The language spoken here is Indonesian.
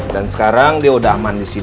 dan sekarang dia udah aman disini